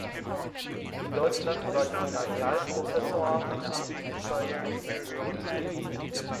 In Deutschland war Gymnasialprofessor eine Amtsbezeichnung im höheren Schuldienst.